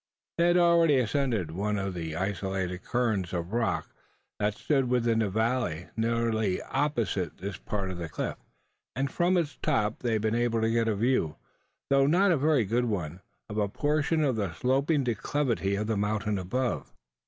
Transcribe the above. They had already ascended one of the isolated cairns of rock, that stood within the valley nearly opposite this part of the cliff; and from its top they had been able to get a view though not a very good one of a portion of the sloping declivity of the mountain above.